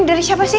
ini dari siapa sih